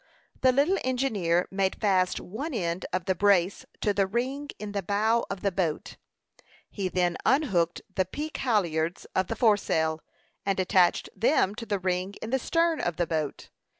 The little engineer made fast one end of the brace to the ring in the bow of the boat. He then unhooked the peak halliards of the fore sail, and attached them to the ring in the stern of the boat.